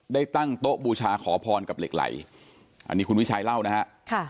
ได้ตั้งโต๊ะบูชาขอพรกับเหล็กไหลอันนี้คุณวิชัยเล่านะฮะ